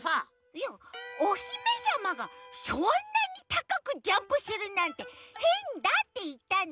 いやおひめさまがそんなにたかくジャンプするなんてへんだっていったの。